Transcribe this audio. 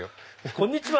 こんにちは！